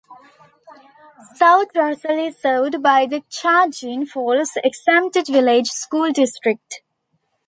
South Russell is served by the Chagrin Falls Exempted Village School District.